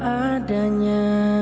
yang berbeda nya